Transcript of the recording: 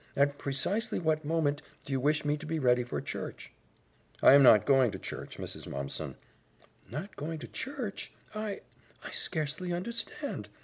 At precisely what moment do you wish me to be ready for church?" "I am not going to church, Mrs. Mumpson." "Not going to church! I I scarcely understand.